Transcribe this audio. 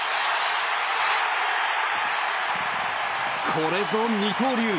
これぞ二刀流。